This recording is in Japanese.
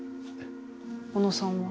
小野さんは？